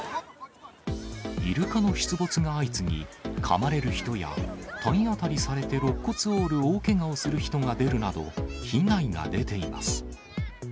イルカの出没が相次ぎ、かまれる人や、体当たりされてろっ骨を折る大けがをする人が出るなど、被害が出ています。